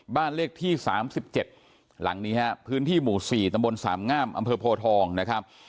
บ้านเลขที่๓๗หลังนี้ฮะพื้นที่หมู่๔ตำบลสามงามอำเภอโพทองนะครับ